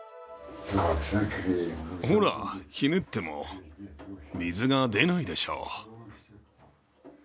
ほら、ひねっても水が出ないでしょ。